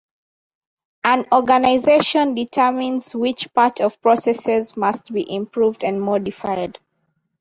An organisation determines which part of processes must be improved and modified.